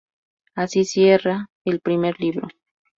Así cierra el primer libro.